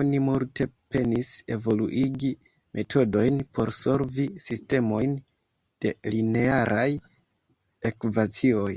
Oni multe penis evoluigi metodojn por solvi sistemojn de linearaj ekvacioj.